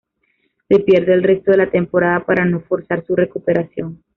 Se pierde el resto de la temporada para no forzar su recuperación.